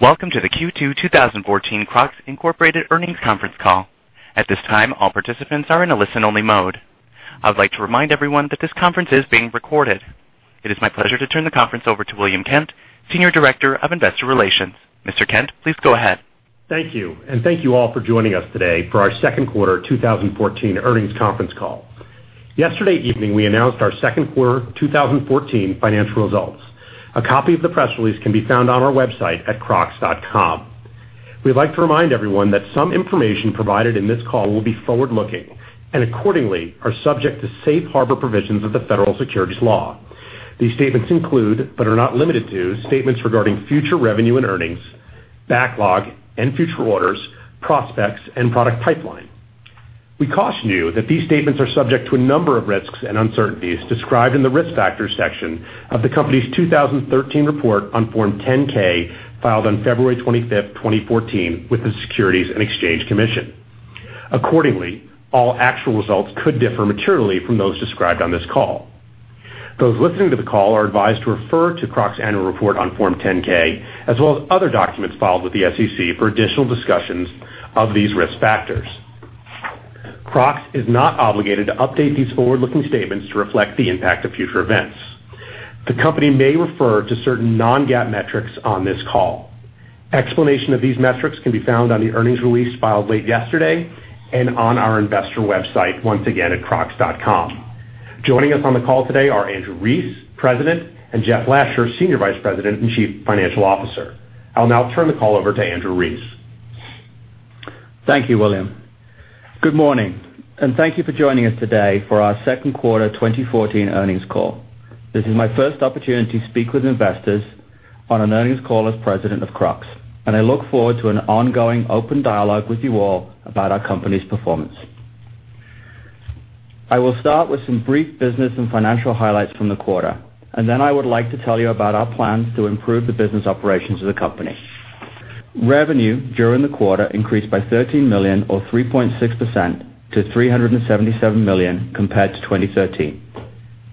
Welcome to the Q2 2014 Crocs, Inc. earnings conference call. At this time, all participants are in a listen-only mode. I would like to remind everyone that this conference is being recorded. It is my pleasure to turn the conference over to William Kent, Senior Director of Investor Relations. Mr. Kent, please go ahead. Thank you. Thank you all for joining us today for our second quarter 2014 earnings conference call. Yesterday evening, we announced our second quarter 2014 financial results. A copy of the press release can be found on our website at crocs.com. We'd like to remind everyone that some information provided in this call will be forward-looking, and accordingly, are subject to Safe Harbor provisions of the Federal Securities law. These statements include, but are not limited to, statements regarding future revenue and earnings, backlog and future orders, prospects, and product pipeline. We caution you that these statements are subject to a number of risks and uncertainties described in the Risk Factors section of the company's 2013 report on Form 10-K, filed on February 25th, 2014, with the Securities and Exchange Commission. Accordingly, all actual results could differ materially from those described on this call. Those listening to the call are advised to refer to Crocs' annual report on Form 10-K, as well as other documents filed with the SEC for additional discussions of these risk factors. Crocs is not obligated to update these forward-looking statements to reflect the impact of future events. The company may refer to certain non-GAAP metrics on this call. Explanation of these metrics can be found on the earnings release filed late yesterday and on our investor website, once again, at crocs.com. Joining us on the call today are Andrew Rees, President, and Jeff Lasher, Senior Vice President and Chief Financial Officer. I'll now turn the call over to Andrew Rees. Thank you, William. Good morning, thank you for joining us today for our second quarter 2014 earnings call. This is my first opportunity to speak with investors on an earnings call as President of Crocs, and I look forward to an ongoing open dialogue with you all about our company's performance. I will start with some brief business and financial highlights from the quarter, and then I would like to tell you about our plans to improve the business operations of the company. Revenue during the quarter increased by $13 million, or 3.6% to $377 million compared to 2013.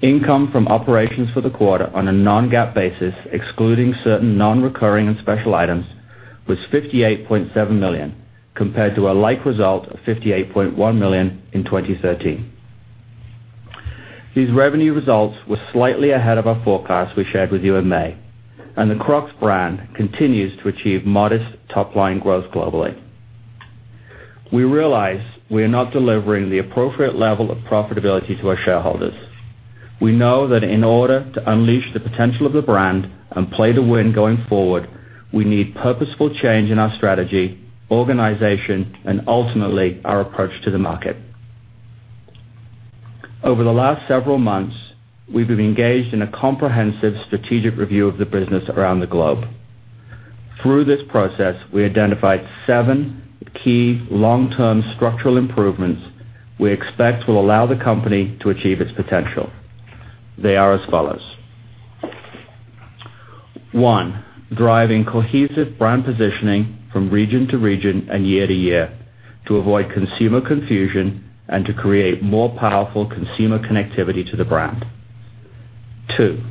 Income from operations for the quarter on a non-GAAP basis, excluding certain non-recurring and special items, was $58.7 million, compared to a like result of $58.1 million in 2013. These revenue results were slightly ahead of our forecast we shared with you in May, and the Crocs brand continues to achieve modest top-line growth globally. We realize we are not delivering the appropriate level of profitability to our shareholders. We know that in order to unleash the potential of the brand and play to win going forward, we need purposeful change in our strategy, organization, and ultimately, our approach to the market. Over the last several months, we've been engaged in a comprehensive strategic review of the business around the globe. Through this process, we identified seven key long-term structural improvements we expect will allow the company to achieve its potential. They are as follows. One, driving cohesive brand positioning from region to region and year to year to avoid consumer confusion and to create more powerful consumer connectivity to the brand. Two,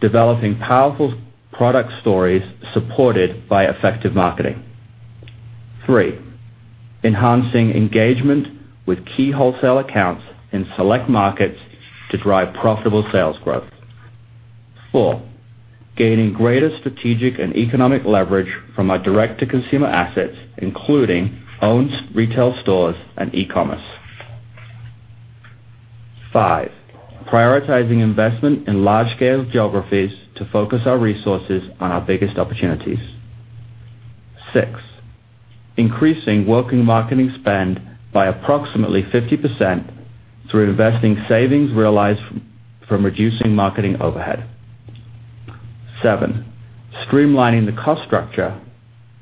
developing powerful product stories supported by effective marketing. Three, enhancing engagement with key wholesale accounts in select markets to drive profitable sales growth. Four, gaining greater strategic and economic leverage from our direct-to-consumer assets, including owned retail stores and e-commerce. Five, prioritizing investment in large-scale geographies to focus our resources on our biggest opportunities. Six, increasing working marketing spend by approximately 50% through investing savings realized from reducing marketing overhead. Seven, streamlining the cost structure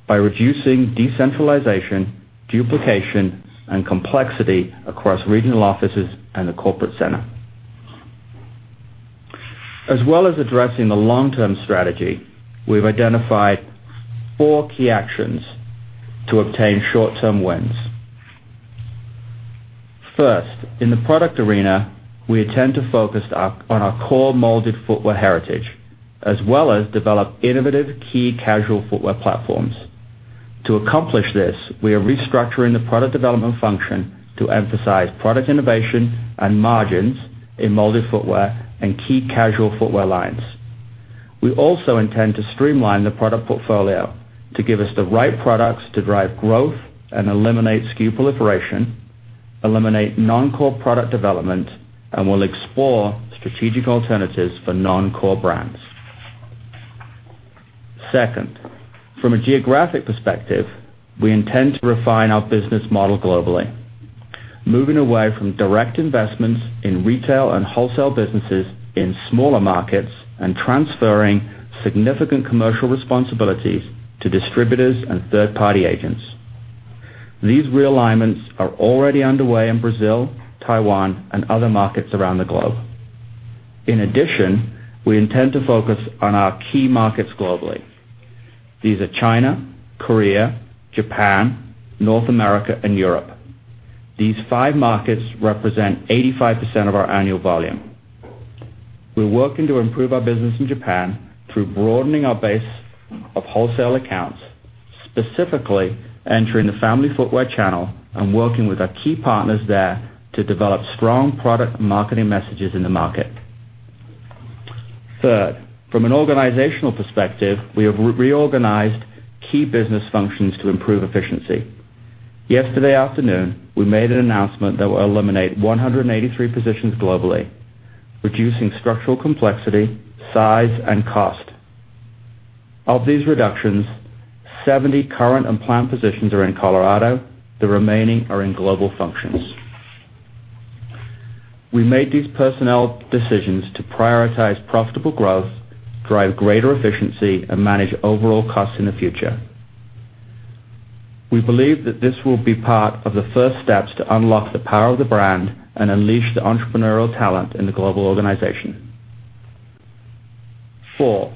by reducing decentralization, duplication, and complexity across regional offices and the corporate center. As well as addressing the long-term strategy, we've identified four key actions to obtain short-term wins. First, in the product arena, we intend to focus on our core molded footwear heritage, as well as develop innovative key casual footwear platforms. To accomplish this, we are restructuring the product development function to emphasize product innovation and margins in molded footwear and key casual footwear lines. We also intend to streamline the product portfolio to give us the right products to drive growth and eliminate SKU proliferation, eliminate non-core product development, and we'll explore strategic alternatives for non-core brands. Second, from a geographic perspective, we intend to refine our business model globally, moving away from direct investments in retail and wholesale businesses in smaller markets and transferring significant commercial responsibilities to distributors and third-party agents. These realignments are already underway in Brazil, Taiwan, and other markets around the globe. In addition, we intend to focus on our key markets globally. These are China, Korea, Japan, North America, and Europe. These five markets represent 85% of our annual volume. We're working to improve our business in Japan through broadening our base of wholesale accounts, specifically entering the family footwear channel and working with our key partners there to develop strong product marketing messages in the market. Third, from an organizational perspective, we have reorganized key business functions to improve efficiency. Yesterday afternoon, we made an announcement that we'll eliminate 183 positions globally, reducing structural complexity, size, and cost. Of these reductions, 70 current and planned positions are in Colorado. The remaining are in global functions. We made these personnel decisions to prioritize profitable growth, drive greater efficiency, and manage overall costs in the future. We believe that this will be part of the first steps to unlock the power of the brand and unleash the entrepreneurial talent in the global organization. Four,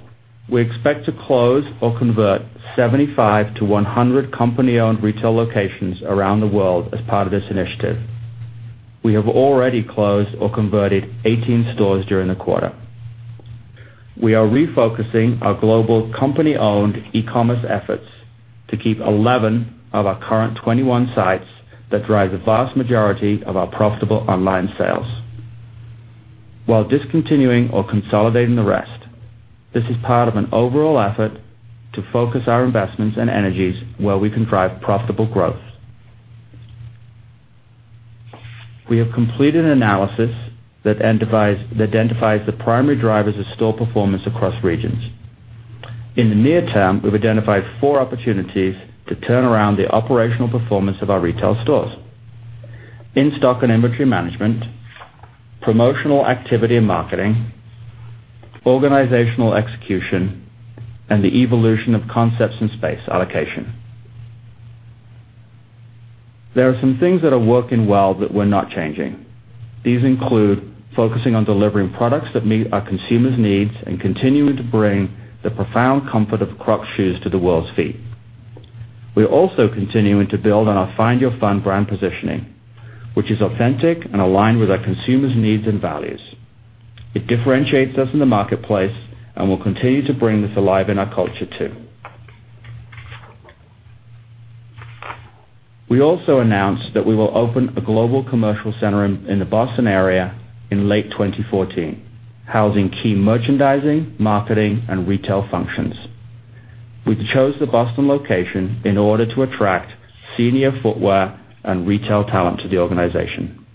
we expect to close or convert 75-100 company-owned retail locations around the world as part of this initiative. We have already closed or converted 18 stores during the quarter. We are refocusing our global company-owned e-commerce efforts to keep 11 of our current 21 sites that drive the vast majority of our profitable online sales while discontinuing or consolidating the rest. This is part of an overall effort to focus our investments and energies where we can drive profitable growth. We have completed an analysis that identifies the primary drivers of store performance across regions. In the near term, we've identified four opportunities to turn around the operational performance of our retail stores. In-stock and inventory management, promotional activity and marketing, organizational execution, and the evolution of concepts and space allocation. There are some things that are working well that we're not changing. These include focusing on delivering products that meet our consumers' needs and continuing to bring the profound comfort of Crocs shoes to the world's feet. We're also continuing to build on our Find Your Fun brand positioning, which is authentic and aligned with our consumers' needs and values. It differentiates us in the marketplace, and we'll continue to bring this alive in our culture too. We also announced that we will open a global commercial center in the Boston area in late 2014, housing key merchandising, marketing, and retail functions. We chose the Boston location in order to attract senior footwear and retail talent to the organization.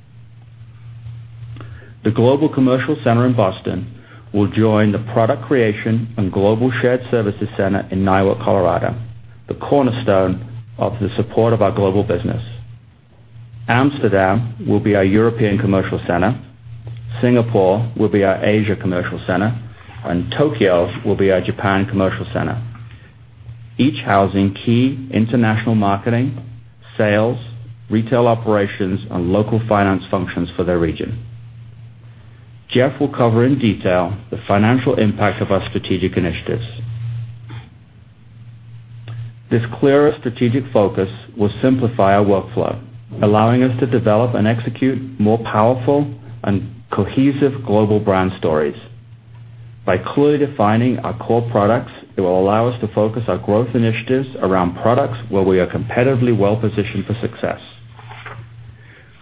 The global commercial center in Boston will join the product creation and global shared services center in Niwot, Colorado, the cornerstone of the support of our global business. Amsterdam will be our European commercial center, Singapore will be our Asia commercial center, Tokyo will be our Japan commercial center, each housing key international marketing, sales, retail operations, and local finance functions for their region. Jeff will cover in detail the financial impact of our strategic initiatives. This clearer strategic focus will simplify our workflow, allowing us to develop and execute more powerful and cohesive global brand stories. By clearly defining our core products, it will allow us to focus our growth initiatives around products where we are competitively well-positioned for success.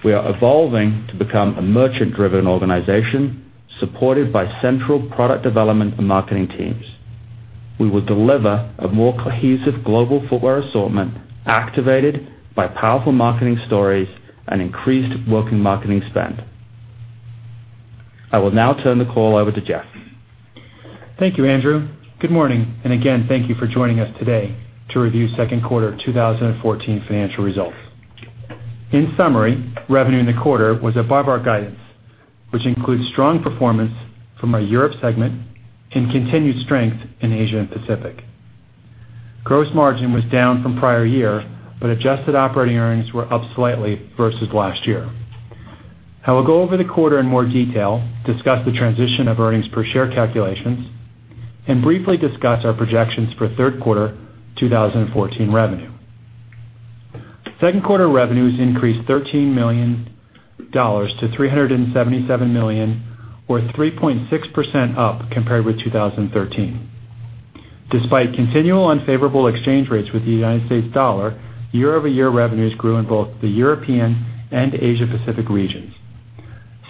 We are evolving to become a merchant-driven organization supported by central product development and marketing teams. We will deliver a more cohesive global footwear assortment activated by powerful marketing stories and increased working marketing spend. I will now turn the call over to Jeff. Thank you, Andrew. Good morning. Again, thank you for joining us today to review second quarter 2014 financial results. In summary, revenue in the quarter was above our guidance, which includes strong performance from our Europe segment and continued strength in Asia and Pacific. Gross margin was down from prior year, but adjusted operating earnings were up slightly versus last year. I will go over the quarter in more detail, discuss the transition of earnings per share calculations, and briefly discuss our projections for third quarter 2014 revenue. Second quarter revenues increased $13 million to $377 million, or 3.6% up compared with 2013. Despite continual unfavorable exchange rates with the U.S. dollar, year-over-year revenues grew in both the European and Asia-Pacific regions.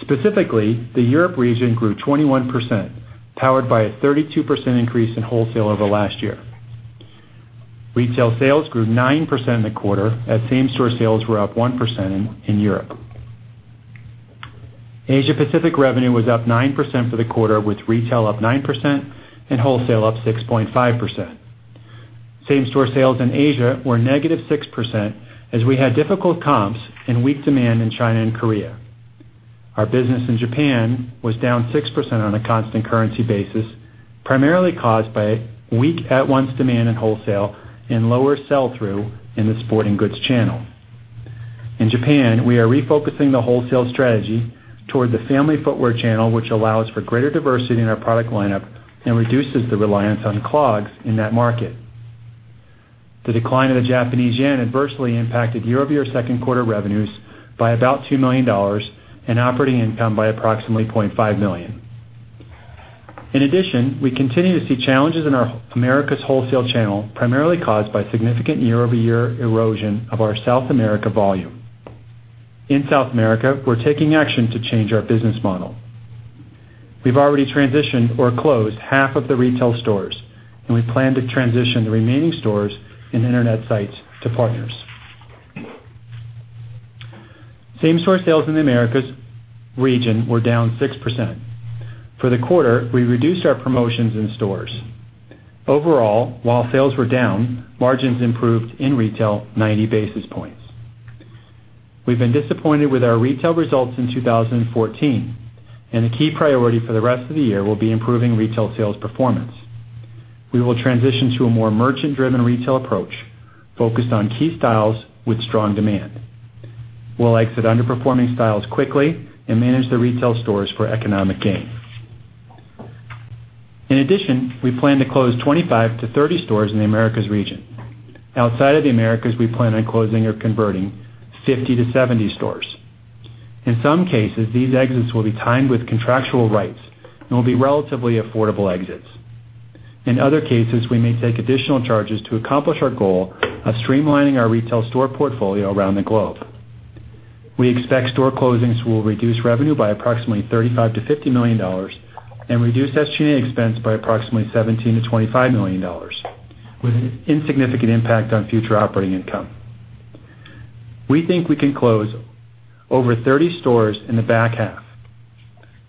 Specifically, the Europe region grew 21%, powered by a 32% increase in wholesale over last year. Retail sales grew 9% in the quarter, as same-store sales were up 1% in Europe. Asia-Pacific revenue was up 9% for the quarter, with retail up 9% and wholesale up 6.5%. Same-store sales in Asia were negative 6% as we had difficult comps and weak demand in China and Korea. Our business in Japan was down 6% on a constant currency basis, primarily caused by weak at-once demand in wholesale and lower sell-through in the sporting goods channel. In Japan, we are refocusing the wholesale strategy toward the family footwear channel, which allows for greater diversity in our product lineup and reduces the reliance on clogs in that market. The decline of the Japanese yen adversely impacted year-over-year second quarter revenues by about $2 million and operating income by approximately $0.5 million. In addition, we continue to see challenges in our Americas wholesale channel, primarily caused by significant year-over-year erosion of our South America volume. In South America, we're taking action to change our business model. We've already transitioned or closed half of the retail stores, and we plan to transition the remaining stores and internet sites to partners. Same-store sales in the Americas region were down 6%. For the quarter, we reduced our promotions in stores. Overall, while sales were down, margins improved in retail 90 basis points. We've been disappointed with our retail results in 2014, and a key priority for the rest of the year will be improving retail sales performance. We will transition to a more merchant-driven retail approach focused on key styles with strong demand. We'll exit underperforming styles quickly and manage the retail stores for economic gain. In addition, we plan to close 25 to 30 stores in the Americas region. Outside of the Americas, we plan on closing or converting 50 to 70 stores. In some cases, these exits will be timed with contractual rights and will be relatively affordable exits. In other cases, we may take additional charges to accomplish our goal of streamlining our retail store portfolio around the globe. We expect store closings will reduce revenue by approximately $35 million-$50 million and reduce SG&A expense by approximately $17 million-$25 million, with an insignificant impact on future operating income. We think we can close over 30 stores in the back half.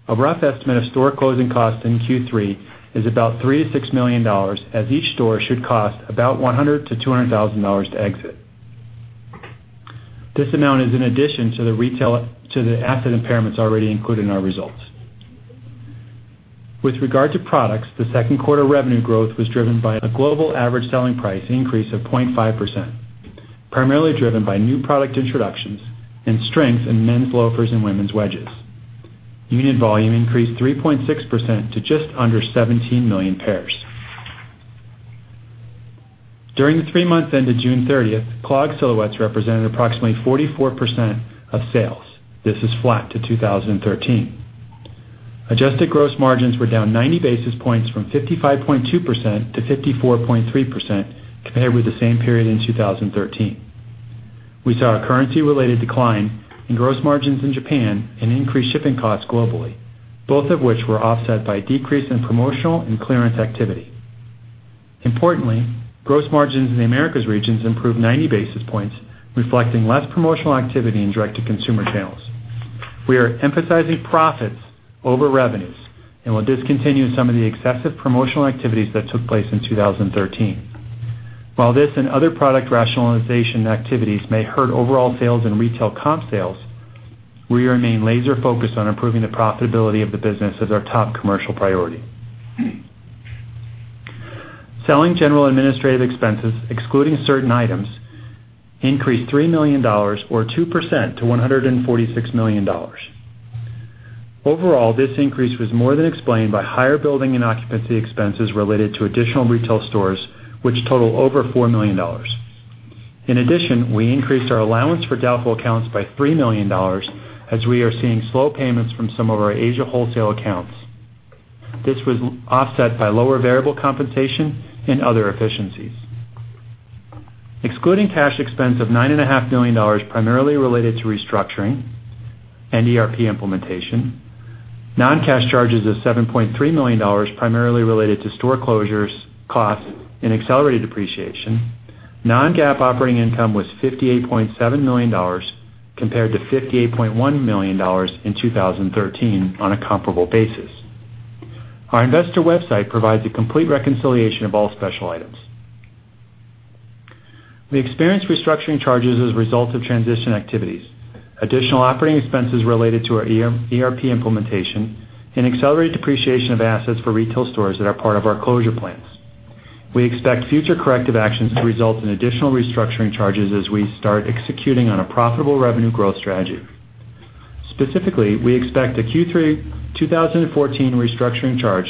A rough estimate of store closing costs in Q3 is about $3 million-$6 million, as each store should cost about $100,000-$200,000 to exit. This amount is in addition to the asset impairments already included in our results. With regard to products, the second quarter revenue growth was driven by a global average selling price increase of 0.5%, primarily driven by new product introductions and strength in men's loafers and women's wedges. Unit volume increased 3.6% to just under 17 million pairs. During the three months ended June 30th, clog silhouettes represented approximately 44% of sales. This is flat to 2013. Adjusted gross margins were down 90 basis points from 55.2% to 54.3% compared with the same period in 2013. We saw a currency-related decline in gross margins in Japan and increased shipping costs globally, both of which were offset by a decrease in promotional and clearance activity. Importantly, gross margins in the Americas regions improved 90 basis points, reflecting less promotional activity in direct-to-consumer channels. We are emphasizing profits over revenues and will discontinue some of the excessive promotional activities that took place in 2013. While this and other product rationalization activities may hurt overall sales and retail comp sales, we remain laser-focused on improving the profitability of the business as our top commercial priority. Selling general administrative expenses, excluding certain items, increased $3 million or 2% to $146 million. Overall, this increase was more than explained by higher building and occupancy expenses related to additional retail stores, which total over $4 million. In addition, we increased our allowance for doubtful accounts by $3 million, as we are seeing slow payments from some of our Asia wholesale accounts. This was offset by lower variable compensation and other efficiencies. Excluding cash expense of $9.5 million primarily related to restructuring and ERP implementation, non-cash charges of $7.3 million primarily related to store closures costs and accelerated depreciation, non-GAAP operating income was $58.7 million compared to $58.1 million in 2013 on a comparable basis. Our investor website provides a complete reconciliation of all special items. We experienced restructuring charges as a result of transition activities, additional operating expenses related to our ERP implementation, and accelerated depreciation of assets for retail stores that are part of our closure plans. We expect future corrective actions to result in additional restructuring charges as we start executing on a profitable revenue growth strategy. Specifically, we expect a Q3 2014 restructuring charge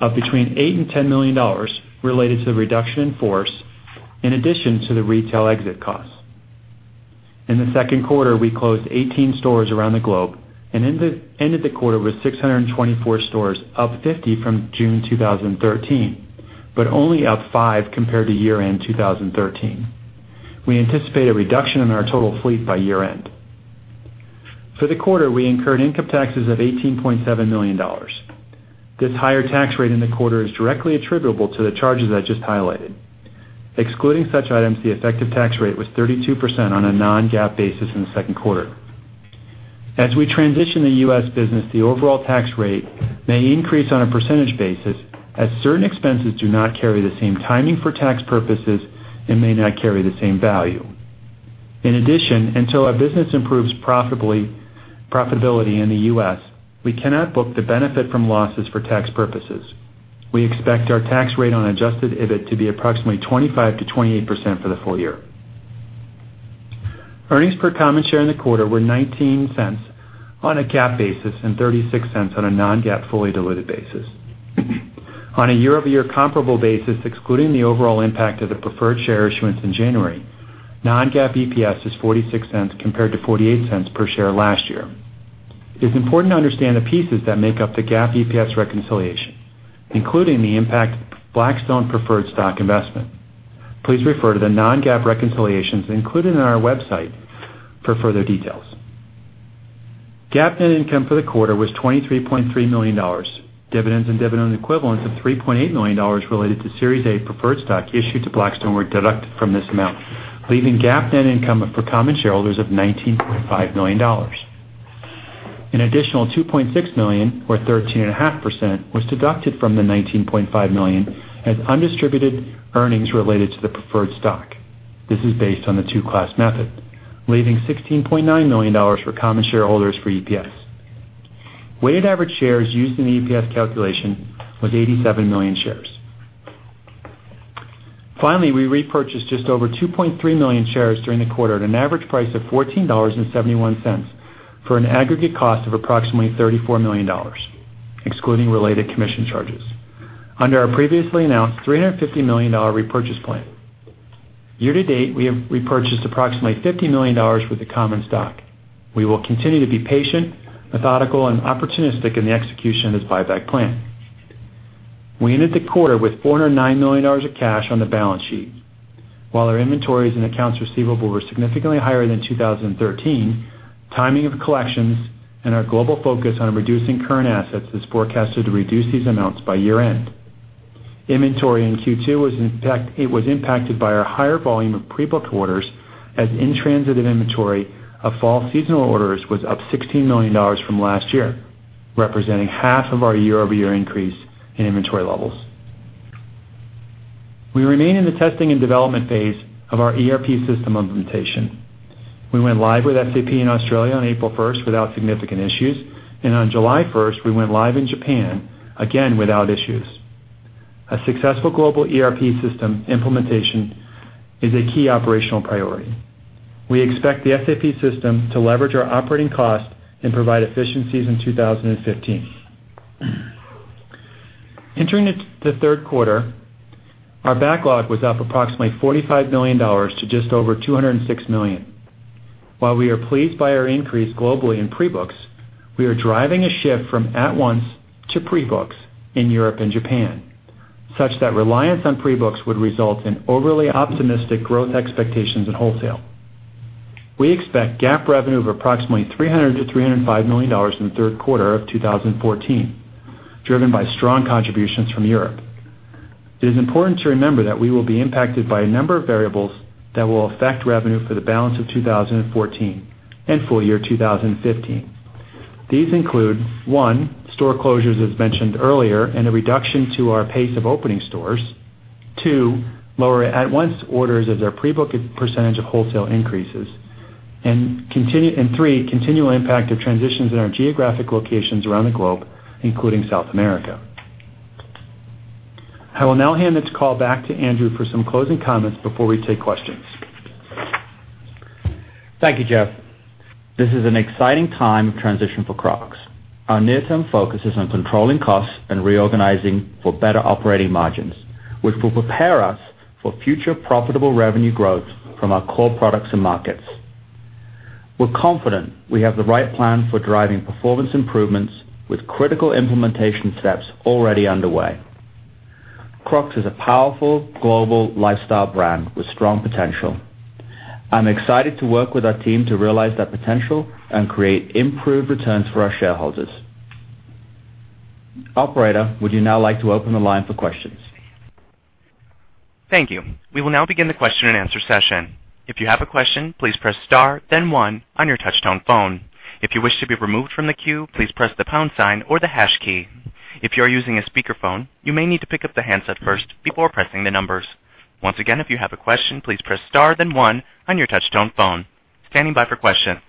of between $8 million and $10 million related to the reduction in force, in addition to the retail exit costs. In the second quarter, we closed 18 stores around the globe and ended the quarter with 624 stores, up 50 from June 2013, but only up five compared to year-end 2013. We anticipate a reduction in our total fleet by year-end. For the quarter, we incurred income taxes of $18.7 million. This higher tax rate in the quarter is directly attributable to the charges I just highlighted. Excluding such items, the effective tax rate was 32% on a non-GAAP basis in the second quarter. As we transition the U.S. business, the overall tax rate may increase on a percentage basis as certain expenses do not carry the same timing for tax purposes and may not carry the same value. In addition, until our business improves profitability in the U.S., we cannot book the benefit from losses for tax purposes. We expect our tax rate on adjusted EBIT to be approximately 25%-28% for the full year. Earnings per common share in the quarter were $0.19 on a GAAP basis and $0.36 on a non-GAAP, fully diluted basis. On a year-over-year comparable basis, excluding the overall impact of the preferred share issuance in January, non-GAAP EPS is $0.46 compared to $0.48 per share last year. It's important to understand the pieces that make up the GAAP EPS reconciliation, including the impact Blackstone preferred stock investment. Please refer to the non-GAAP reconciliations included on our website for further details. GAAP net income for the quarter was $23.3 million. Dividends and dividend equivalents of $3.8 million related to Series A preferred stock issued to Blackstone were deducted from this amount, leaving GAAP net income for common shareholders of $19.5 million. An additional $2.6 million or 13.5% was deducted from the $19.5 million as undistributed earnings related to the preferred stock. This is based on the two-class method, leaving $16.9 million for common shareholders for EPS. Weighted average shares used in the EPS calculation was 87 million shares. We repurchased just over 2.3 million shares during the quarter at an average price of $14.71 for an aggregate cost of approximately $34 million, excluding related commission charges, under our previously announced $350 million repurchase plan. Year-to-date, we have repurchased approximately $50 million worth of common stock. We will continue to be patient, methodical and opportunistic in the execution of this buyback plan. We ended the quarter with $409 million of cash on the balance sheet. While our inventories and accounts receivable were significantly higher than 2013, timing of collections and our global focus on reducing current assets is forecasted to reduce these amounts by year-end. Inventory in Q2 was impacted by our higher volume of pre-booked orders as in-transit inventory of fall seasonal orders was up $16 million from last year, representing half of our year-over-year increase in inventory levels. We remain in the testing and development phase of our ERP system implementation. We went live with SAP in Australia on April 1st without significant issues, and on July 1st we went live in Japan, again without issues. A successful global ERP system implementation is a key operational priority. We expect the SAP system to leverage our operating costs and provide efficiencies in 2015. Entering into the third quarter, our backlog was up approximately $45 million to just over $206 million. While we are pleased by our increase globally in pre-books, we are driving a shift from at-once to pre-books in Europe and Japan, such that reliance on pre-books would result in overly optimistic growth expectations in wholesale. We expect GAAP revenue of approximately $300 million-$305 million in the third quarter of 2014, driven by strong contributions from Europe. It is important to remember that we will be impacted by a number of variables that will affect revenue for the balance of 2014 and full year 2015. These include, 1, store closures as mentioned earlier, and a reduction to our pace of opening stores. 2, lower at-once orders as our pre-book percentage of wholesale increases. 3, continual impact of transitions in our geographic locations around the globe, including South America. I will now hand this call back to Andrew for some closing comments before we take questions. Thank you, Jeff. This is an exciting time of transition for Crocs. Our near-term focus is on controlling costs and reorganizing for better operating margins, which will prepare us for future profitable revenue growth from our core products and markets. We're confident we have the right plan for driving performance improvements with critical implementation steps already underway. Crocs is a powerful global lifestyle brand with strong potential. I'm excited to work with our team to realize that potential and create improved returns for our shareholders. Operator, would you now like to open the line for questions? Thank you. We will now begin the question and answer session. If you have a question, please press star then one on your touch tone phone. If you wish to be removed from the queue, please press the pound sign or the hash key. If you are using a speakerphone, you may need to pick up the handset first before pressing the numbers. Once again, if you have a question, please press star then one on your touch tone phone. Standing by for questions.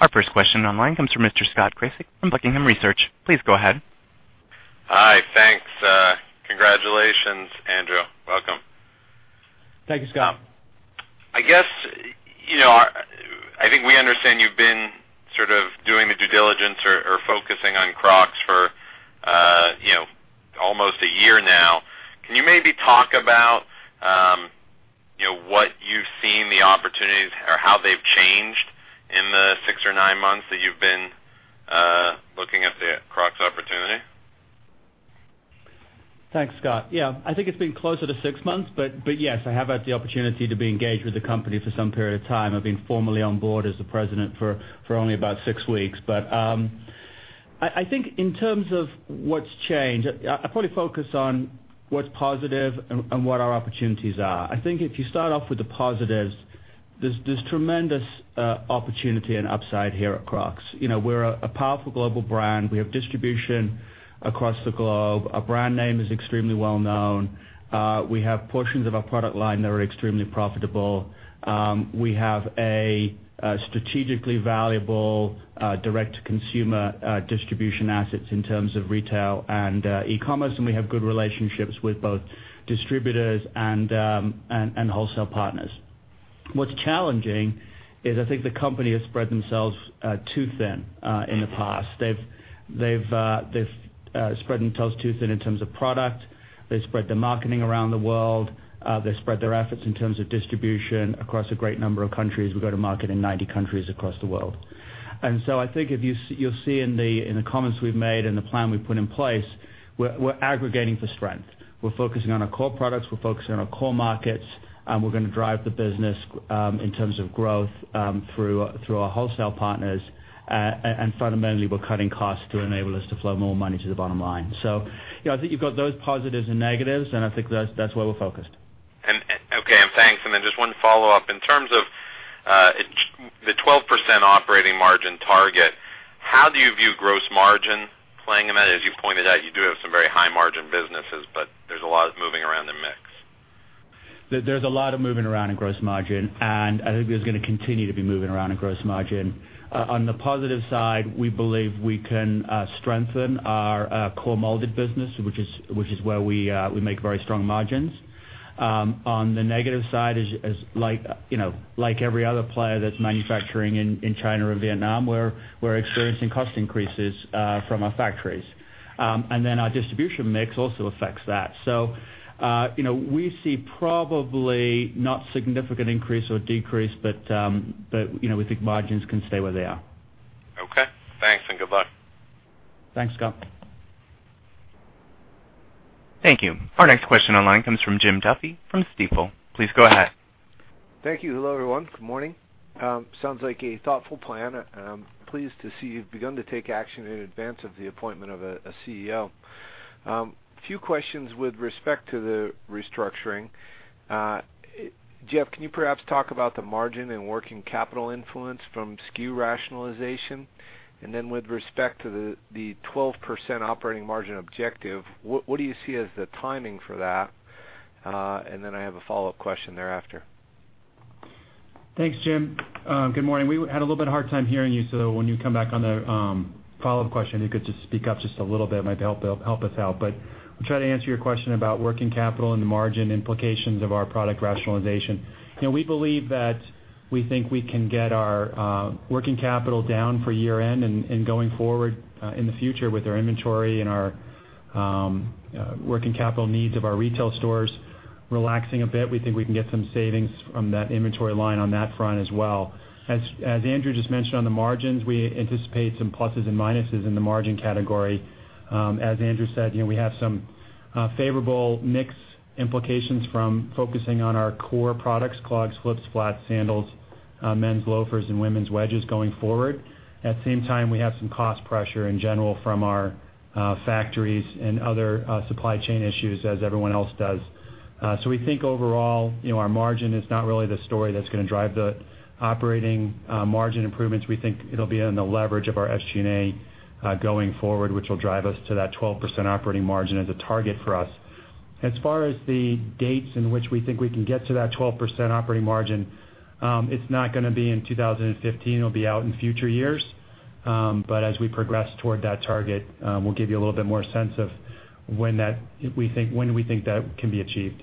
Our first question online comes from Mr. Scott Cripps from Buckingham Research. Please go ahead. Hi. Thanks. Congratulations, Andrew. Welcome. Thank you, Scott. I think we understand you've been sort of doing the due diligence or focusing on Crocs for almost a year now. Can you maybe talk about what you've seen the opportunities or how they've changed in the six or nine months that you've been looking at the Crocs opportunity? Thanks, Scott. I think it's been closer to six months, but yes, I have had the opportunity to be engaged with the company for some period of time. I've been formally on board as the president for only about six weeks. I think in terms of what's changed, I'd probably focus on what's positive and what our opportunities are. I think if you start off with the positives, there's tremendous opportunity and upside here at Crocs. We're a powerful global brand. We have distribution across the globe. Our brand name is extremely well known. We have portions of our product line that are extremely profitable. We have a strategically valuable direct-to-consumer distribution assets in terms of retail and e-commerce, and we have good relationships with both distributors and wholesale partners. What's challenging is I think the company has spread themselves too thin in the past. They've spread themselves too thin in terms of product. They've spread their marketing around the world. They've spread their efforts in terms of distribution across a great number of countries. We go to market in 90 countries across the world. I think you'll see in the comments we've made and the plan we've put in place, we're aggregating for strength. We're focusing on our core products, we're focusing on our core markets, and we're going to drive the business in terms of growth through our wholesale partners. Fundamentally, we're cutting costs to enable us to flow more money to the bottom line. I think you've got those positives and negatives, and I think that's where we're focused. Okay, thanks. Just one follow-up. In terms of the 12% operating margin target, how do you view gross margin playing in that? As you pointed out, you do have some very high margin businesses, but there's a lot of moving around in the mix. There's a lot of moving around in gross margin, and I think there's going to continue to be moving around in gross margin. On the positive side, we believe we can strengthen our co-molded business, which is where we make very strong margins. On the negative side, like every other player that's manufacturing in China or Vietnam, we're experiencing cost increases from our factories. Our distribution mix also affects that. We see probably not significant increase or decrease, but we think margins can stay where they are. Okay, thanks and good luck. Thanks, Scott. Thank you. Our next question online comes from Jim Duffy from Stifel. Please go ahead. Thank you. Hello, everyone. Good morning. Sounds like a thoughtful plan, and I'm pleased to see you've begun to take action in advance of the appointment of a CEO. Few questions with respect to the restructuring. Jeff, can you perhaps talk about the margin and working capital influence from SKU rationalization? With respect to the 12% operating margin objective, what do you see as the timing for that? I have a follow-up question thereafter. Thanks, Jim. Good morning. We had a little bit of a hard time hearing you, so when you come back on the follow-up question, if you could just speak up just a little bit, it might help us out. I'll try to answer your question about working capital and the margin implications of our product rationalization. We believe that we think we can get our working capital down for year-end and going forward in the future with our inventory and our working capital needs of our retail stores relaxing a bit. We think we can get some savings from that inventory line on that front as well. As Andrew just mentioned on the margins, we anticipate some pluses and minuses in the margin category. As Andrew said, we have some favorable mix implications from focusing on our core products, clogs, flips, flats, sandals, men's loafers, and women's wedges going forward. At the same time, we have some cost pressure in general from our factories and other supply chain issues as everyone else does. We think overall, our margin is not really the story that's going to drive the operating margin improvements. We think it'll be in the leverage of our SG&A going forward, which will drive us to that 12% operating margin as a target for us. As far as the dates in which we think we can get to that 12% operating margin, it's not going to be in 2015. It'll be out in future years. As we progress toward that target, we'll give you a little bit more sense of when we think that can be achieved.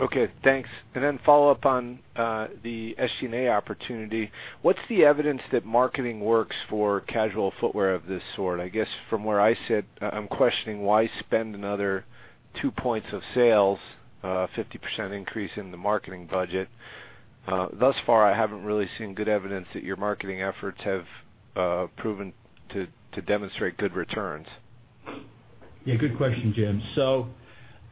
Okay, thanks. Follow-up on the SG&A opportunity. What's the evidence that marketing works for casual footwear of this sort? I guess from where I sit, I'm questioning why spend another two points of sales, a 50% increase in the marketing budget. Thus far, I haven't really seen good evidence that your marketing efforts have proven to demonstrate good returns. Yeah, good question, Jim.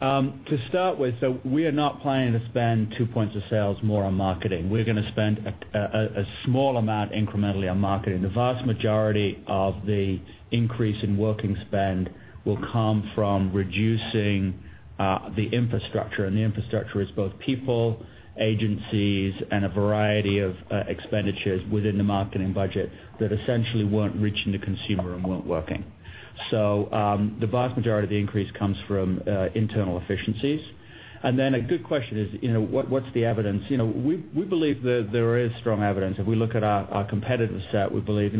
To start with, we are not planning to spend two points of sales more on marketing. We're going to spend a small amount incrementally on marketing. The vast majority of the increase in working spend will come from reducing the infrastructure, and the infrastructure is both people, agencies, and a variety of expenditures within the marketing budget that essentially weren't reaching the consumer and weren't working. The vast majority of the increase comes from internal efficiencies. A good question is, what's the evidence? We believe that there is strong evidence. If we look at our competitor set, we believe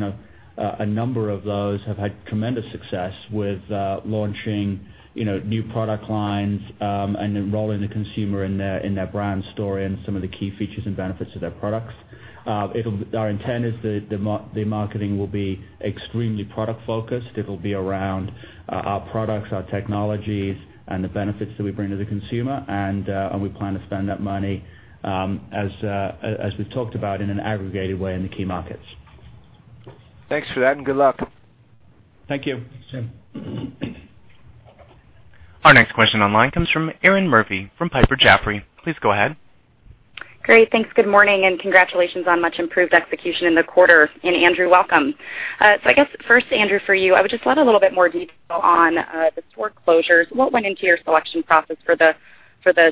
a number of those have had tremendous success with launching new product lines and enrolling the consumer in their brand story and some of the key features and benefits of their products. Our intent is the marketing will be extremely product-focused. It'll be around our products, our technologies, and the benefits that we bring to the consumer. We plan to spend that money, as we talked about, in an aggregated way in the key markets. Thanks for that. Good luck. Thank you. Thanks, Jim. Our next question online comes from Erinn Murphy from Piper Jaffray. Please go ahead. Great. Thanks. Good morning, and congratulations on much improved execution in the quarter. Andrew, welcome. I guess first, Andrew, for you, I would just love a little more detail on the store closures. What went into your selection process for the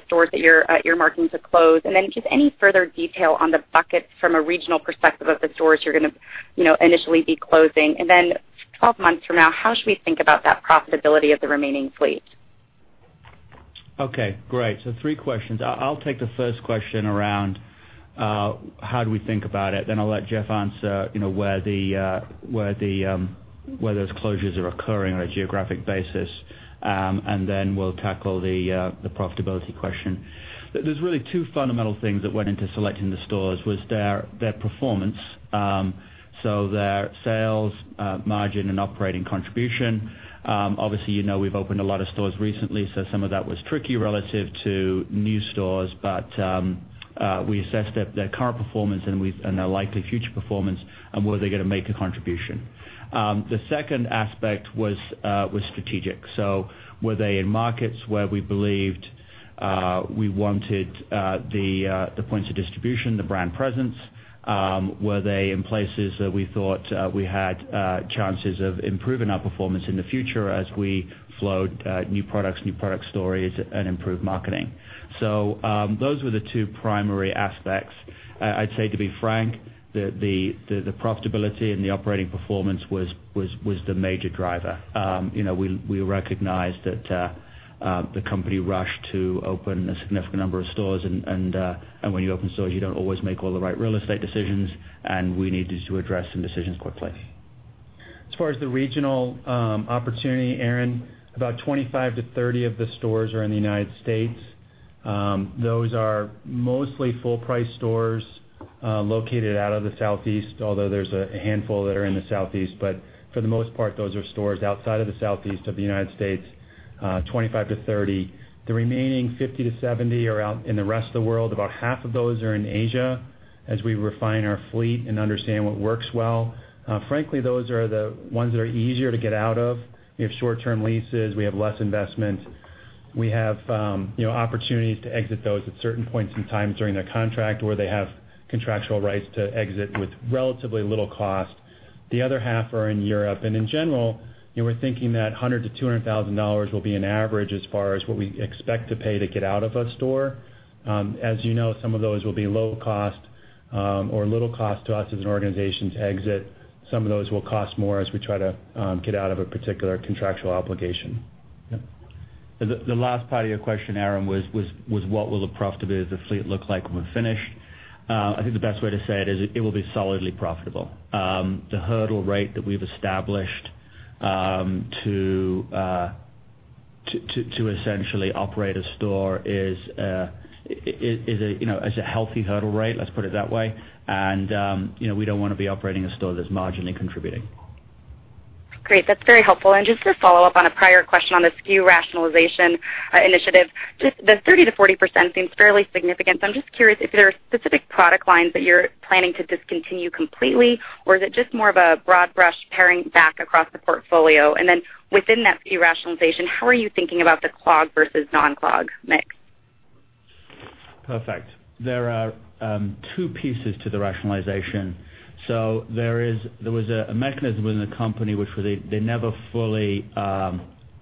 stores that you're marking to close? Then just any further detail on the buckets from a regional perspective of the stores you're going to initially be closing. Then 12 months from now, how should we think about that profitability of the remaining fleet? Okay, great. Three questions. I'll take the first question around how do we think about it. Then I'll let Jeff answer where those closures are occurring on a geographic basis. Then we'll tackle the profitability question. There's really two fundamental things that went into selecting the stores, was their performance. Their sales margin and operating contribution. Obviously, you know we've opened a lot of stores recently, so some of that was tricky relative to new stores. We assessed their current performance and their likely future performance and were they going to make a contribution. The second aspect was strategic. Were they in markets where we believed we wanted the points of distribution, the brand presence? Were they in places that we thought we had chances of improving our performance in the future as we flowed new products, new product stories, and improved marketing? Those were the two primary aspects. I'd say, to be frank, the profitability and the operating performance was the major driver. We recognized that the company rushed to open a significant number of stores, and when you open stores, you don't always make all the right real estate decisions, and we needed to address some decisions quickly. As far as the regional opportunity, Erinn, about 25-30 of the stores are in the U.S. Those are mostly full-price stores, located out of the Southeast, although there's a handful that are in the Southeast. For the most part, those are stores outside of the Southeast of the U.S., 25-30. The remaining 50-70 are out in the rest of the world. About half of those are in Asia as we refine our fleet and understand what works well. Frankly, those are the ones that are easier to get out of. We have short-term leases. We have less investment. We have opportunities to exit those at certain points in time during their contract, where they have contractual rights to exit with relatively little cost. The other half are in Europe. In general, we're thinking that $100,000-$200,000 will be an average as far as what we expect to pay to get out of a store. As you know, some of those will be low cost or little cost to us as an organization to exit. Some of those will cost more as we try to get out of a particular contractual obligation. Yeah. The last part of your question, Erinn, was what will the profitability of the fleet look like when we're finished? I think the best way to say it is it will be solidly profitable. The hurdle rate that we've established to essentially operate a store is a healthy hurdle rate, let's put it that way. We don't want to be operating a store that's marginally contributing. Great. That's very helpful. Just to follow up on a prior question on the SKU rationalization initiative, the 30%-40% seems fairly significant. I'm just curious if there are specific product lines that you're planning to discontinue completely, or is it just more of a broad brush paring back across the portfolio? Then within that SKU rationalization, how are you thinking about the clog versus non-clog mix? Perfect. There are two pieces to the rationalization. There was a mechanism within the company which was they never fully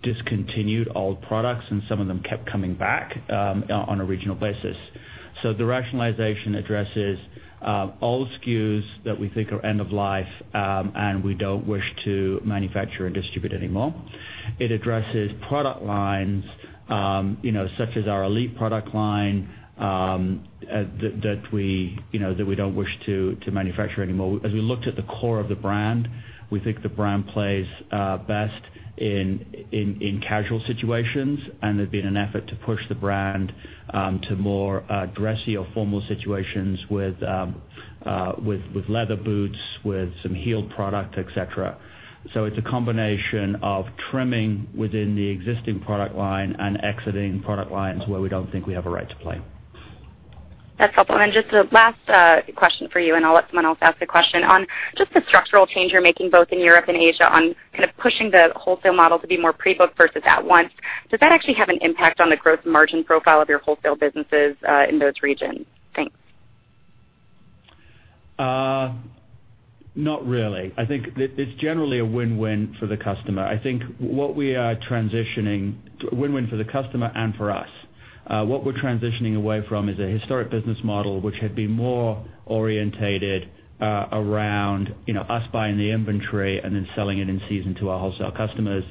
discontinued old products, and some of them kept coming back, on a regional basis. The rationalization addresses old SKUs that we think are end of life, and we don't wish to manufacture and distribute anymore. It addresses product lines, such as our Elite product line, that we don't wish to manufacture anymore. As we looked at the core of the brand, we think the brand plays best in casual situations, and there'd been an effort to push the brand to more dressy or formal situations with leather boots, with some heeled product, et cetera. It's a combination of trimming within the existing product line and exiting product lines where we don't think we have a right to play. That's helpful. Just a last question for you, and I'll let someone else ask a question. On just the structural change you're making, both in Europe and Asia, on kind of pushing the wholesale model to be more pre-booked versus at once. Does that actually have an impact on the gross margin profile of your wholesale businesses in those regions? Thanks. Not really. I think it's generally a win-win for the customer. A win-win for the customer and for us. What we're transitioning away from is a historic business model which had been more orientated around us buying the inventory and then selling it in season to our wholesale customers.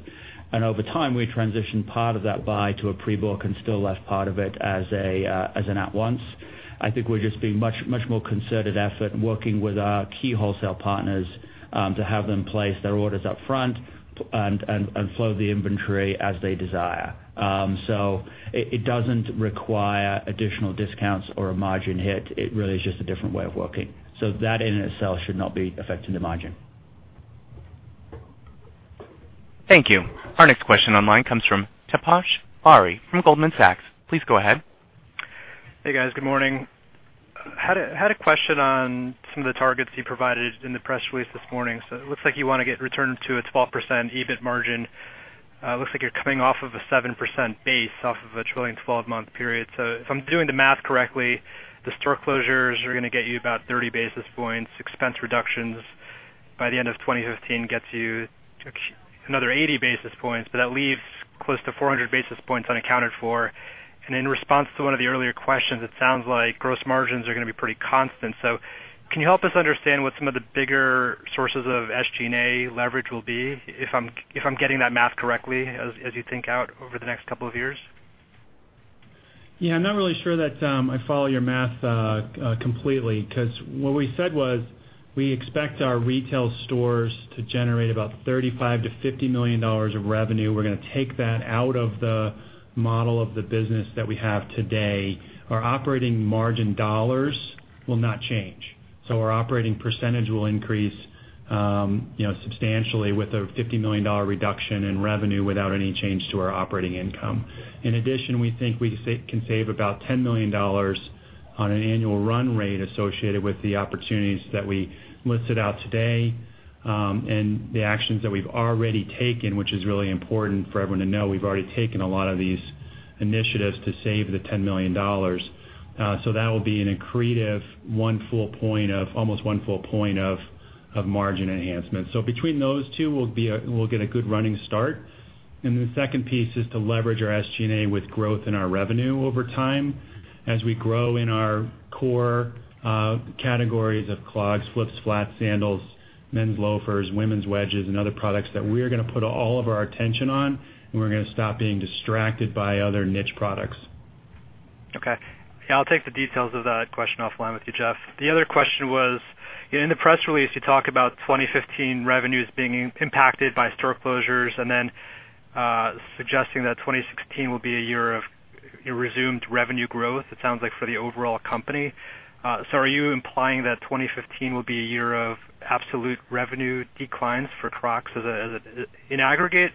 Over time, we transitioned part of that buy to a pre-book and still left part of it as an at-once. I think we're just being much more concerted effort in working with our key wholesale partners, to have them place their orders up front and flow the inventory as they desire. It doesn't require additional discounts or a margin hit. It really is just a different way of working. That in and itself should not be affecting the margin. Thank you. Our next question online comes from Taposh Bari from Goldman Sachs. Please go ahead. Hey, guys. Good morning. I had a question on some of the targets you provided in the press release this morning. It looks like you want to get returned to a 12% EBIT margin. It looks like you're coming off of a 7% base off of a trailing 12-month period. If I'm doing the math correctly, the store closures are going to get you about 30 basis points. Expense reductions by the end of 2015 gets you another 80 basis points, that leaves close to 400 basis points unaccounted for. In response to one of the earlier questions, it sounds like gross margins are going to be pretty constant. Can you help us understand what some of the bigger sources of SG&A leverage will be, if I'm getting that math correctly, as you think out over the next couple of years? I'm not really sure that I follow your math completely, because what we said was, we expect our retail stores to generate about $35 million-$50 million of revenue. We're going to take that out of the model of the business that we have today. Our operating margin dollars will not change. Our operating percentage will increase substantially with a $50 million reduction in revenue without any change to our operating income. In addition, we think we can save about $10 million on an annual run rate associated with the opportunities that we listed out today, and the actions that we've already taken, which is really important for everyone to know. We've already taken a lot of these initiatives to save the $10 million. That will be an accretive almost one full point of margin enhancement. Between those two, we'll get a good running start. The second piece is to leverage our SG&A with growth in our revenue over time, as we grow in our core categories of clogs, flips, flats, sandals, men's loafers, women's wedges, and other products that we are going to put all of our attention on, and we're going to stop being distracted by other niche products. Okay. I'll take the details of that question offline with you, Jeff. The other question was, in the press release, you talk about 2015 revenues being impacted by store closures suggesting that 2016 will be a year of resumed revenue growth, it sounds like for the overall company. Are you implying that 2015 will be a year of absolute revenue declines for Crocs in aggregate?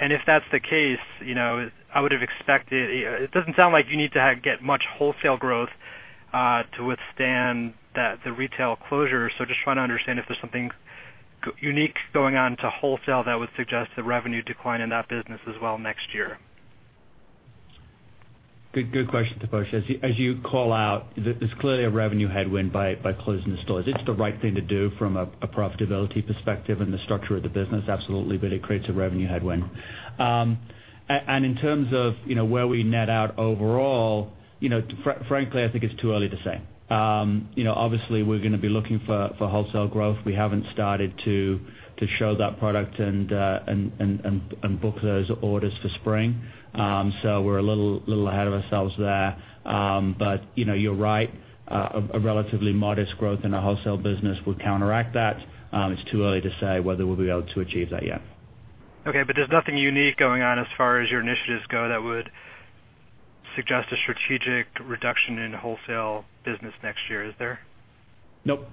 If that's the case, it doesn't sound like you need to get much wholesale growth to withstand the retail closures. Just trying to understand if there's something unique going on to wholesale that would suggest a revenue decline in that business as well next year. Good question, Taposh. As you call out, there's clearly a revenue headwind by closing the stores. It's the right thing to do from a profitability perspective and the structure of the business, absolutely, but it creates a revenue headwind. In terms of where we net out overall, frankly, I think it's too early to say. Obviously, we're going to be looking for wholesale growth. We haven't started to show that product and book those orders for spring. We're a little ahead of ourselves there. You're right, a relatively modest growth in our wholesale business would counteract that. It's too early to say whether we'll be able to achieve that yet. Okay. There's nothing unique going on as far as your initiatives go that would suggest a strategic reduction in wholesale business next year, is there? Nope.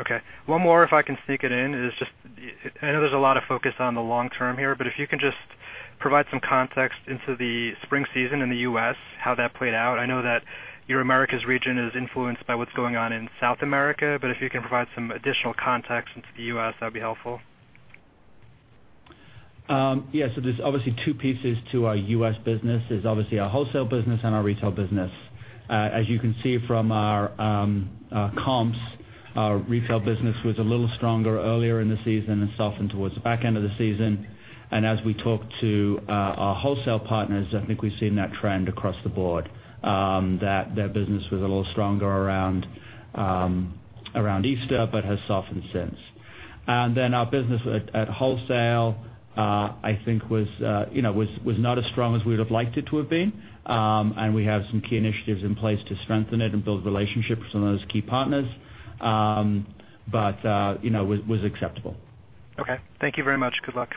Okay. One more, if I can sneak it in, I know there's a lot of focus on the long term here, but if you can just provide some context into the spring season in the U.S., how that played out. I know that your Americas region is influenced by what's going on in South America, but if you can provide some additional context into the U.S., that'd be helpful. Yeah. There's obviously two pieces to our U.S. business. There's obviously our wholesale business and our retail business. As you can see from our comps, our retail business was a little stronger earlier in the season and softened towards the back end of the season. As we talk to our wholesale partners, I think we've seen that trend across the board, that their business was a little stronger around Easter, but has softened since. Then our business at wholesale, I think was not as strong as we would've liked it to have been. We have some key initiatives in place to strengthen it and build relationships with some of those key partners. It was acceptable. Okay. Thank you very much. Good luck.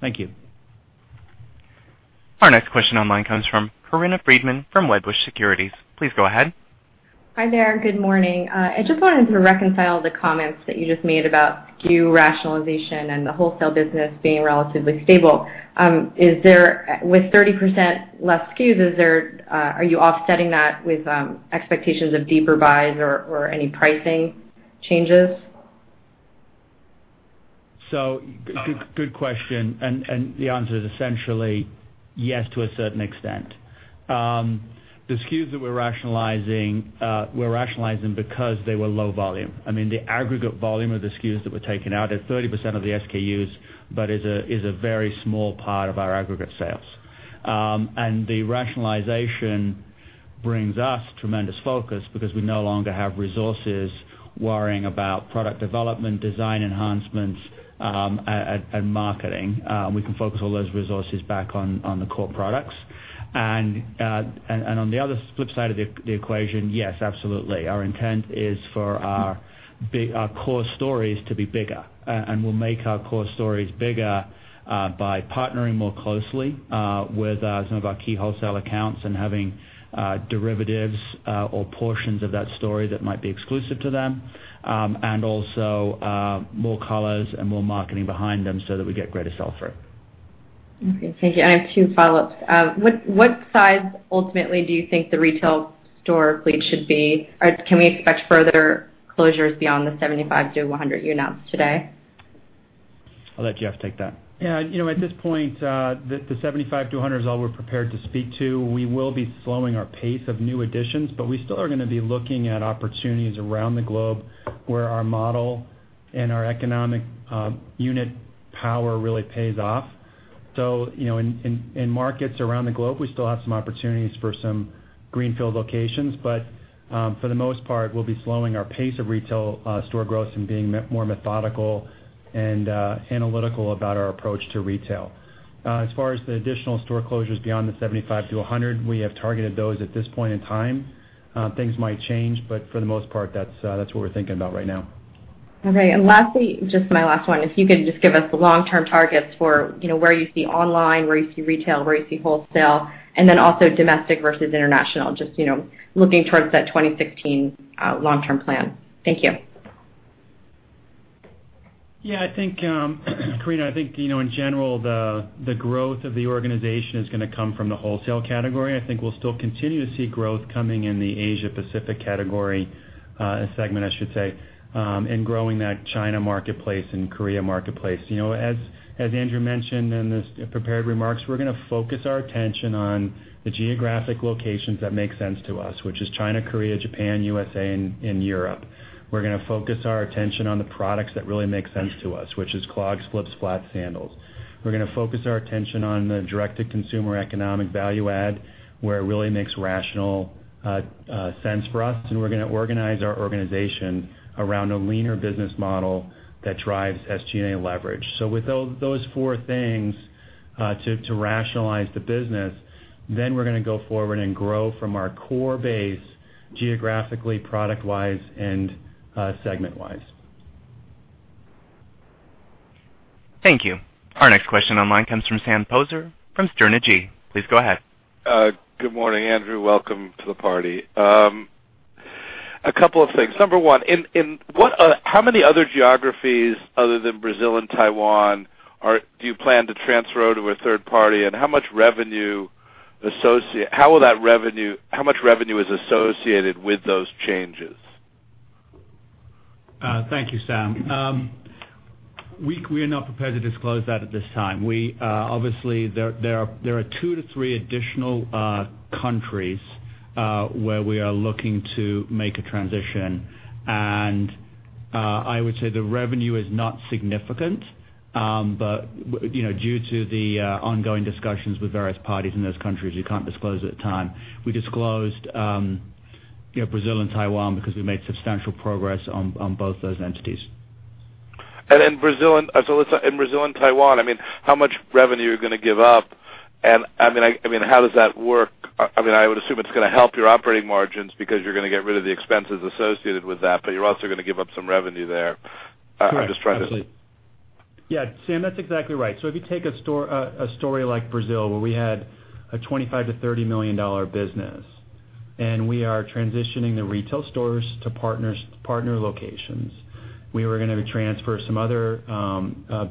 Thank you. Our next question online comes from Corinna Freedman from Wedbush Securities. Please go ahead. Hi there. Good morning. I just wanted to reconcile the comments that you just made about SKU rationalization and the wholesale business being relatively stable. With 30% less SKUs, are you offsetting that with expectations of deeper buys or any pricing changes? Good question. The answer is essentially yes to a certain extent. The SKUs that we're rationalizing, we're rationalizing because they were low volume. The aggregate volume of the SKUs that were taken out at 30% of the SKUs, but is a very small part of our aggregate sales. The rationalization brings us tremendous focus because we no longer have resources worrying about product development, design enhancements, and marketing. We can focus all those resources back on the core products. On the other flip side of the equation, yes, absolutely. Our intent is for our core stories to be bigger. We'll make our core stories bigger by partnering more closely with some of our key wholesale accounts and having derivatives or portions of that story that might be exclusive to them. Also more colors and more marketing behind them so that we get greater sell-through. Okay. Thank you. I have two follow-ups. What size ultimately do you think the retail store fleet should be? Can we expect further closures beyond the 75-100 you announced today? I'll let Jeff take that. At this point, the 75-100 is all we're prepared to speak to. We will be slowing our pace of new additions, but we still are going to be looking at opportunities around the globe where our model and our economic unit power really pays off. In markets around the globe, we still have some opportunities for some greenfield locations. For the most part, we'll be slowing our pace of retail store growth and being more methodical and analytical about our approach to retail. As far as the additional store closures beyond the 75-100, we have targeted those at this point in time. Things might change, but for the most part, that's what we're thinking about right now. Okay. Lastly, just my last one, if you could just give us the long-term targets for where you see online, where you see retail, where you see wholesale, and then also domestic versus international, just looking towards that 2016 long-term plan. Thank you. Yeah, Corinna, I think, in general, the growth of the organization is going to come from the wholesale category. I think we'll still continue to see growth coming in the Asia Pacific category, segment, I should say, in growing that China marketplace and Korea marketplace. As Andrew mentioned in his prepared remarks, we're going to focus our attention on the geographic locations that make sense to us, which is China, Korea, Japan, U.S., and Europe. We're going to focus our attention on the products that really make sense to us, which is clogs, flips, flats, sandals. We're going to focus our attention on the direct-to-consumer economic value add, where it really makes rational sense for us, and we're going to organize our organization around a leaner business model that drives SG&A leverage. With those four things to rationalize the business, we're going to go forward and grow from our core base geographically, product-wise, and segment-wise. Thank you. Our next question online comes from Sam Poser from Sterne Agee. Please go ahead. Good morning, Andrew. Welcome to the party. A couple of things. Number one, how many other geographies other than Brazil and Taiwan do you plan to transfer out to a third party? How much revenue is associated with those changes? Thank you, Sam. We are not prepared to disclose that at this time. Obviously, there are two to three additional countries where we are looking to make a transition. I would say the revenue is not significant. Due to the ongoing discussions with various parties in those countries, we can't disclose at the time. We disclosed Brazil and Taiwan because we made substantial progress on both those entities. In Brazil and Taiwan, how much revenue are you going to give up? How does that work? I would assume it's going to help your operating margins because you're going to get rid of the expenses associated with that, you're also going to give up some revenue there. Yeah. Sam, that's exactly right. If you take a story like Brazil, where we had a $25 million-$30 million business, we are transitioning the retail stores to partner locations. We were going to transfer some other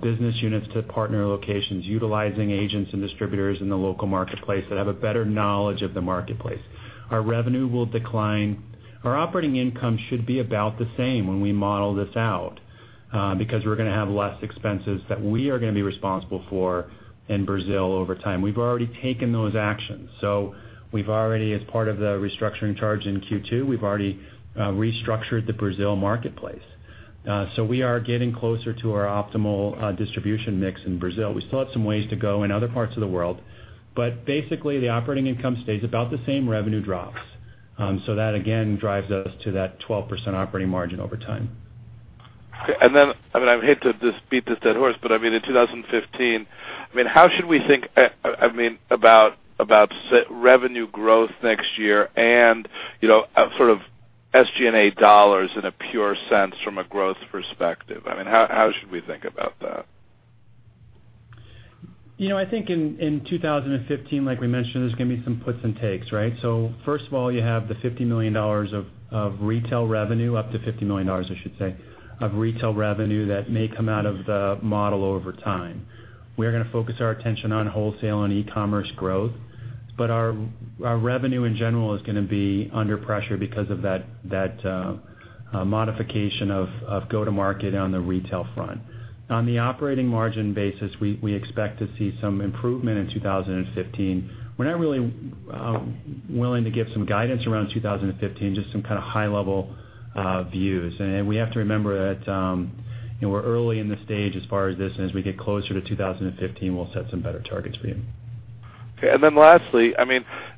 business units to partner locations, utilizing agents and distributors in the local marketplace that have a better knowledge of the marketplace. Our revenue will decline. Our operating income should be about the same when we model this out, because we're going to have less expenses that we are going to be responsible for in Brazil over time. We've already taken those actions. As part of the restructuring charge in Q2, we've already restructured the Brazil marketplace. We are getting closer to our optimal distribution mix in Brazil. We still have some ways to go in other parts of the world, basically, the operating income stays about the same, revenue drops. That, again, drives us to that 12% operating margin over time. Okay. Then lastly, I hate to just beat this dead horse, in 2015, how should we think about revenue growth next year and sort of SG&A dollars in a pure sense from a growth perspective? How should we think about that? I think in 2015, like we mentioned, there's going to be some puts and takes, right? First of all, you have the $50 million of retail revenue, up to $50 million, I should say, of retail revenue that may come out of the model over time. We're going to focus our attention on wholesale and e-commerce growth, our revenue in general is going to be under pressure because of that modification of go-to-market on the retail front. On the operating margin basis, we expect to see some improvement in 2015. We're not really willing to give some guidance around 2015, just some kind of high-level views. We have to remember that we're early in the stage as far as this. As we get closer to 2015, we'll set some better targets for you. Okay. Then lastly,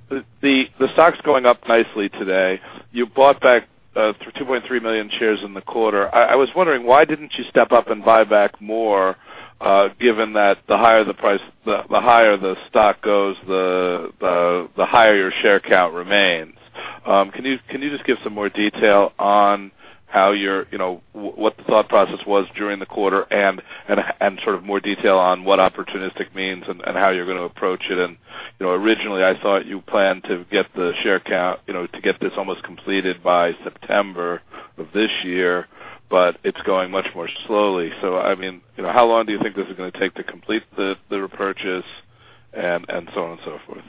the stock's going up nicely today. You bought back 2.3 million shares in the quarter. I was wondering, why didn't you step up and buy back more, given that the higher the stock goes, the higher your share count remains? Can you just give some more detail on what the thought process was during the quarter, and sort of more detail on what opportunistic means and how you're going to approach it? Originally, I thought you planned to get this almost completed by September of this year, it's going much more slowly. How long do you think this is going to take to complete the repurchase and so on and so forth?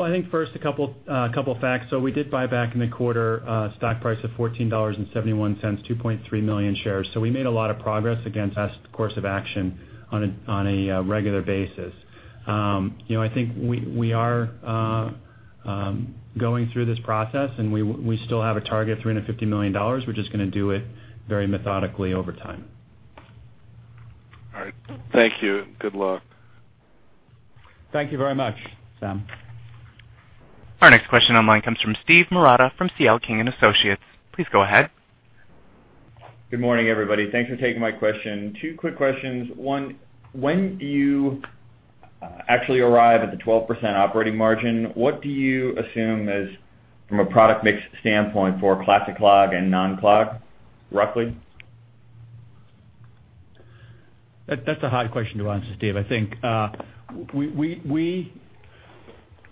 I think first, a couple of facts. We did buy back in the quarter, stock price of $14.71, 2.3 million shares. We made a lot of progress against best course of action on a regular basis. I think we are going through this process, and we still have a target of $350 million. We're just going to do it very methodically over time. All right. Thank you. Good luck. Thank you very much, Sam. Our next question online comes from Steven Marotta from C.L. King & Associates. Please go ahead. Good morning, everybody. Thanks for taking my question. Two quick questions. One, when do you actually arrive at the 12% operating margin? What do you assume from a product mix standpoint for Classic Clog and non-clog, roughly? That's a hard question to answer, Steve. I think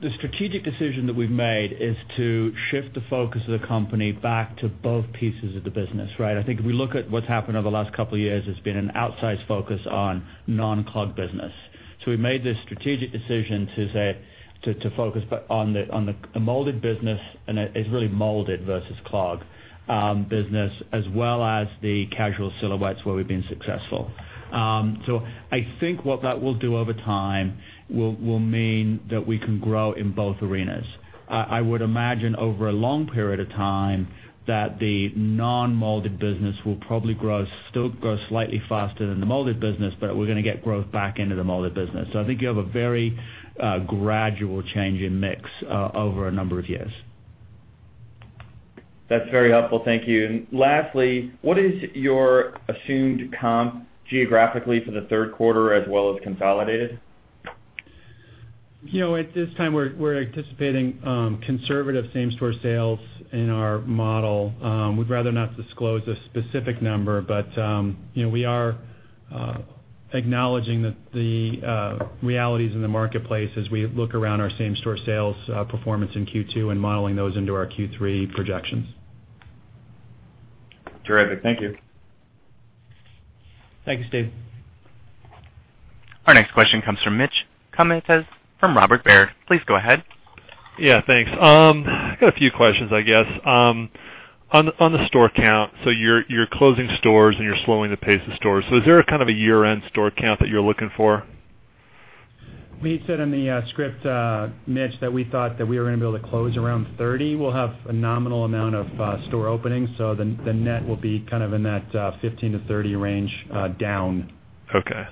the strategic decision that we've made is to shift the focus of the company back to both pieces of the business, right? I think if we look at what's happened over the last couple of years, it's been an outsized focus on non-clog business. We made this strategic decision to focus on the molded business, and it's really molded versus clog business, as well as the casual silhouettes where we've been successful. I think what that will do over time will mean that we can grow in both arenas. I would imagine over a long period of time that the non-molded business will probably still grow slightly faster than the molded business, but we're going to get growth back into the molded business. I think you have a very gradual change in mix over a number of years. That's very helpful. Thank you. Lastly, what is your assumed comp geographically for the third quarter as well as consolidated? At this time, we're anticipating conservative same-store sales in our model. We'd rather not disclose a specific number, but we are acknowledging the realities in the marketplace as we look around our same-store sales performance in Q2 and modeling those into our Q3 projections. Terrific. Thank you. Thank you, Steve. Our next question comes from Mitch Kummetz from Robert Baird. Please go ahead. Yeah, thanks. I've got a few questions, I guess. On the store count, you're closing stores and you're slowing the pace of stores. Is there a kind of a year-end store count that you're looking for? We said in the script, Mitch, that we thought that we were going to be able to close around 30. We'll have a nominal amount of store openings, so the net will be kind of in that 15 to 30 range down. Okay.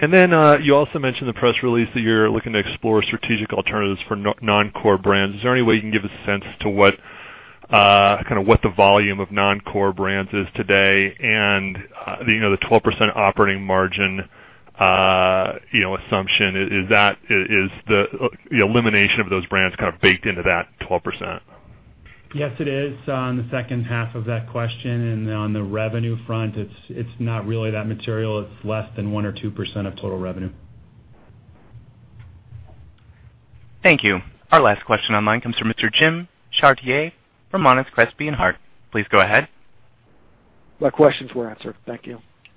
You also mentioned in the press release that you're looking to explore strategic alternatives for non-core brands. Is there any way you can give a sense to what the volume of non-core brands is today? The 12% operating margin assumption, is the elimination of those brands kind of baked into that 12%? Yes, it is on the second half of that question. On the revenue front, it's not really that material. It's less than 1% or 2% of total revenue. Thank you. Our last question online comes from Mr. Jim Chartier from Monness, Crespi, Hardt. Please go ahead. My questions were answered. Thank you.